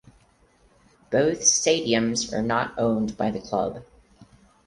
Both stadiums are not owned by the club.